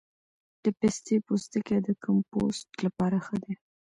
د پستې پوستکی د کمپوسټ لپاره ښه دی؟